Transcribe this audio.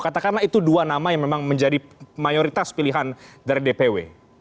katakanlah itu dua nama yang memang menjadi mayoritas pilihan dari dpw